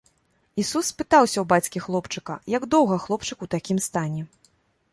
Ісус спытаўся ў бацькі хлопчыка, як доўга хлопчык у такім стане?